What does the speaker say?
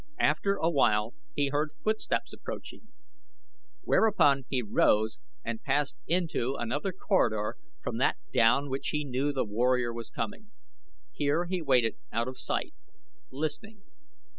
After a while he heard footsteps approaching, whereupon he rose and passed into another corridor from that down which he knew the warrior was coming. Here he waited out of sight, listening.